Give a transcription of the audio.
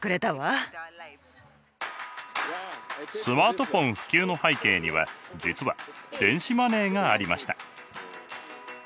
スマートフォン普及の背景には実は電子マネーがありました。